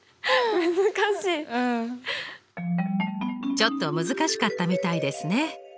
ちょっと難しかったみたいですね。